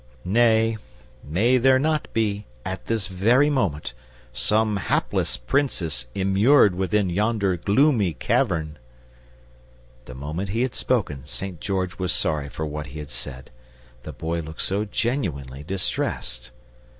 Nay, may there not be, at this very moment, some hapless Princess immured within yonder gloomy cavern?" The moment he had spoken, St. George was sorry for what he had said, the Boy looked so genuinely distressed.